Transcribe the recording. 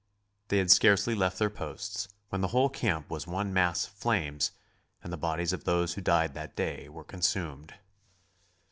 They had scarcely left their posts when the whole camp was one mass of flames and the bodies of those who died that day were consumed.